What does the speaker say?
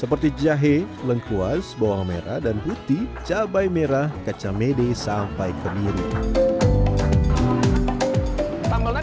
seperti jahe lengkuas bawang merah putih cabai merah kacamede sampai ke mirip